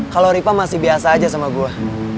kalo rifa masih biasa aja sama gue